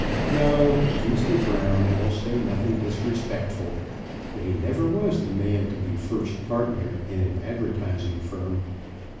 No; of Mr. Brown I will say nothing disrespectful; but he never was the man to be first partner in an advertising firm.